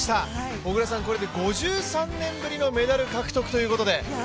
小椋さん、これで５３年ぶりのメダル獲得ということで。